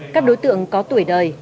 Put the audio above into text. các đối tượng có tuổi đời